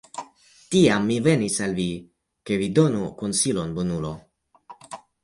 Tiam mi venis al vi, ke vi donu konsilon, bonulo!